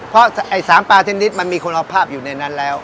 เพราะไอ้๓ปลาชนิดมันมีคุณภาพอยู่ในนั้นแล้ว